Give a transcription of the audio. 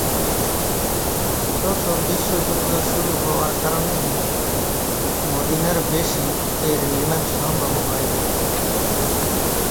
প্রথম বিশ্বযুদ্ধ শুরু হওয়ার কারণে মদিনার বেশি এর নির্মাণ সম্ভব হয়নি।